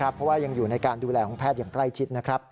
เพราะว่ายังอยู่ในการดูแลของแพทย์อย่างใกล้ชิดนะครับ